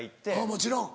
もちろん。